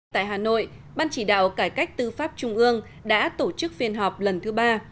tại hà nội ban chỉ đạo cải cách tư pháp trung ương đã tổ chức phiên họp lần thứ ba